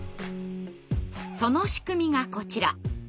その仕組みがこちら。